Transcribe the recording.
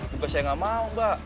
bukan saya gak mau mbak